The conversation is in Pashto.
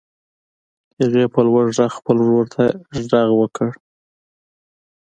هغې په لوړ غږ خپل ورور ته غږ وکړ.